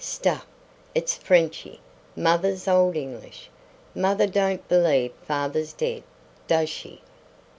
"Stuff! it's Frenchy; mother's old English. Mother don't believe father's dead, does she?"